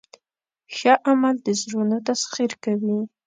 ښه عمل د زړونو تسخیر کوي.